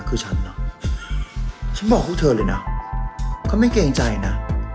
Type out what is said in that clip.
คือฉันเนอะฉันบอกพวกเธอเลยนะก็ไม่เกรงใจนะ